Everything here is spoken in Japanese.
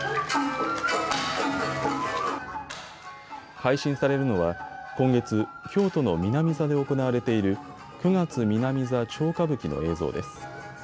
配信されるのは今月、京都の南座で行われている九月南座超歌舞伎の映像です。